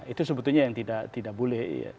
itu sebetulnya yang tidak boleh